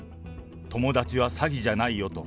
友達は詐欺じゃないよと。